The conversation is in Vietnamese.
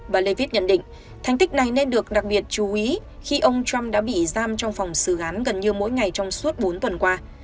bà lê viết nhận định thành tích này nên được đặc biệt chú ý khi ông trump đã bị giam trong phòng xử án gần như mỗi ngày trong suốt bốn tuần qua